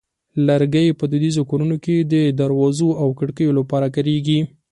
لرګی په دودیزو کورونو کې د دروازو او کړکیو لپاره کارېږي.